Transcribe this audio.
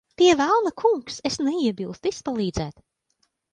Pie velna, kungs. Es neiebilstu izpalīdzēt.